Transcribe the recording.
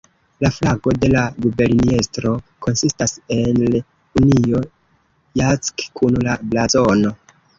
La flago de la guberniestro konsistas el Union Jack kun la blazono.